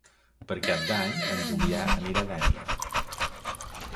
Per Cap d'Any en Julià irà a Dénia.